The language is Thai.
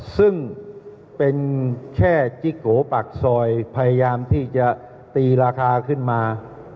ซึ่งเป็นแค่จิ๊กโกปากซอยพยายามที่จะตีราคาขึ้นมา